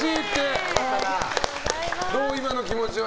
どう、今の気持ちは？